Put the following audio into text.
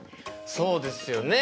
そうですよね。